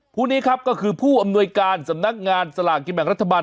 ผู้นี้ครับก็คือผู้อำนวยการสำนักงานสลากกินแบ่งรัฐบาล